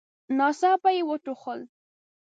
ناڅاپه يې وټوخل.